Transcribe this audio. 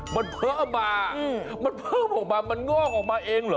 มันเพิ่มมามันเข้ามามันเงิกออกมาเองเหรอ